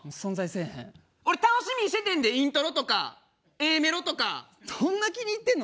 俺楽しみにしててんでイントロとかＡメロとか。そんな気に入ってんの？